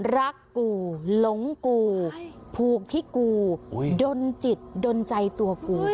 รักกูหลงกูผูกที่กูดนจิตดนใจตัวกู